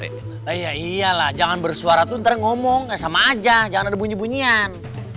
iya iyalah jangan bersuara itu ntar ngomong ya sama aja jangan ada bunyi bunyian